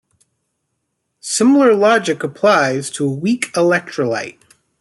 Similar logic applies to a weak electrolyte.